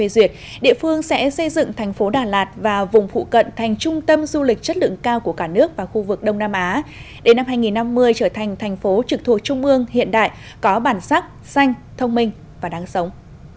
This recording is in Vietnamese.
xanh thông minh và đáng sống